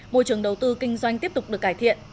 môi trường đầu tư kinh doanh tiếp tục được cải thiện